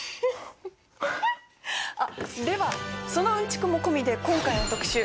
あっではそのうんちくも込みで今回の特集